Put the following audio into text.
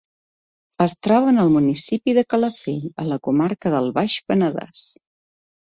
Es troba en el municipi de Calafell, a la comarca del Baix Penedès.